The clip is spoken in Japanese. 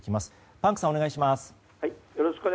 パンクさん、お願いします。